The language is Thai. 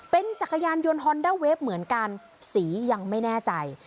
เป็นจักรยานยนต์ฮอนด้าเวฟเหมือนกันสียังไม่แน่ใจ